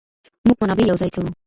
موږ منابع يو ځای کوو.